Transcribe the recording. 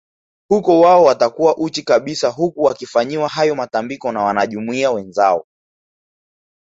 Huko wao watakuwa uchi kabisa huku wakifanyiwa hayo matambiko na wanajumuiya wenzao